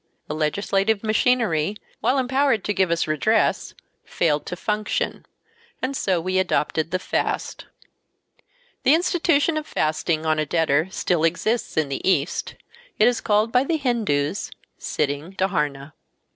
The legislative machinery, while empowered to give us redress, failed to function, and so we adopted the fast. The institution of fasting on a debtor still exists in the East. It is called by the Hindoos "sitting dharna."